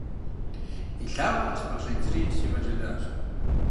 И лъакъуэр къыспэщӏидзри, сигъэджэлащ.